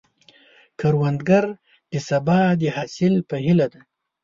کروندګر د سبا د حاصل په هیله دی